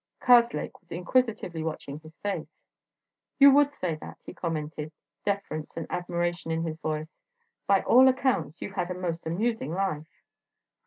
Karslake was inquisitively watching his face. "You would say that," he commented, deference and admiration in his voice. "By all accounts you've had a most amusing life."